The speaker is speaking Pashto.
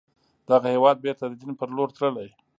دغه هېواد بیرته د دين پر لور تللی